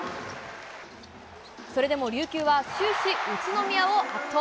それでも琉球は終始、宇都宮を圧倒。